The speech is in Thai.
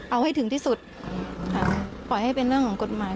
เอาให้ถึงที่สุดค่ะปล่อยให้เป็นเรื่องของกฎหมาย